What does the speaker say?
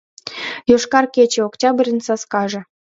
«ЙОШКАР КЕЧЕ» — ОКТЯБРЬЫН САСКАЖЕ